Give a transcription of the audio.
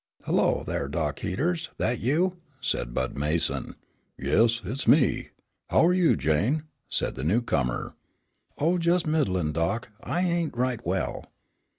"Hello, there, Dock Heaters, that you?" said Bud Mason. "Yes, it's me. How are you, Jane?" said the newcomer. "Oh, jest middlin', Dock, I ain't right well."